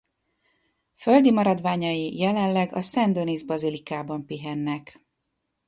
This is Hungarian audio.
Földi maradványai jelenleg a Szent-Denis Bazilikában pihennek.